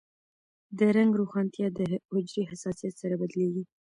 د رنګ روښانتیا د حجرې حساسیت سره بدلېږي.